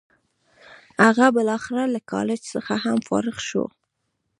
هغه بالاخره له کالج څخه هم فارغ شو.